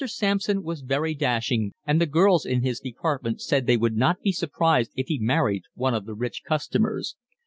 Sampson was very dashing, and the girls in his department said they would not be surprised if he married one of the rich customers.